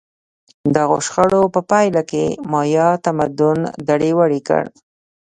دغو شخړو په پایله کې مایا تمدن دړې وړې کړ